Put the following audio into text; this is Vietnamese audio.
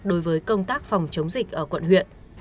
đối với công tác phòng chống dịch ở quận huyện